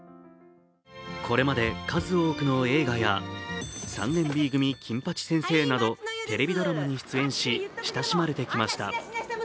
これまで数多くの映画や「３年Ｂ組金八先生」などテレビドラマに出演し、親しまれてきました。